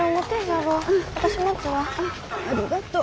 ありがとう。